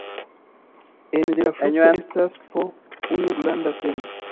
Ene de la frukto estas po unu granda semo.